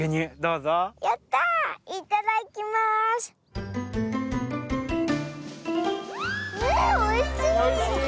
うんおいしい！